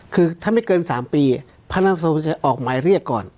คือถ้าไม่เกินสามปีพนักงานสอบส่วนจะออกหมายเรียกก่อน